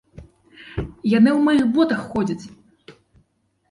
Яны ў маіх ботах ходзяць!